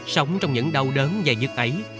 sống trong những đau đớn dài dứt ấy